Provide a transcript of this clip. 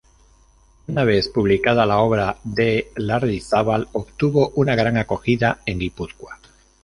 Una vez publicada, la obra de Lardizábal obtuvo una gran acogida en Guipúzcoa.